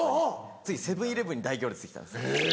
次セブン−イレブンに大行列できたんですよ。